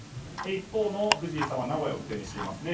一方の藤井さんは名古屋を拠点にしていますね。